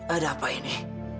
ada apa ini